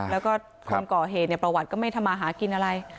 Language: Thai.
แล้วก็คนก่อเหตุประวัติก็ไม่ทำมาหากินอะไร